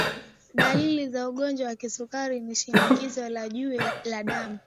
dalili za ugonjwa wa kisukari ni shinikizo la juu la damu